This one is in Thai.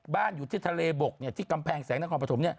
บ้านอยู่ที่ทะเลบกที่กำแพงแสงนักคอมประชม